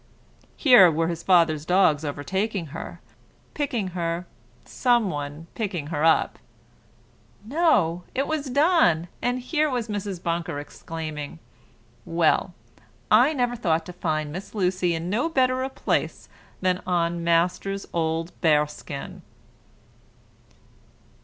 Here were his father's dogs overtaking her; picking her some one picking her up. No, it was Don! and here was Mrs. Bunker exclaiming, "Well, I never thought to find Miss Lucy in no better a place than on Master's old bearskin!"